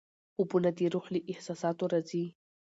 خوبونه د روح له احساساتو راځي.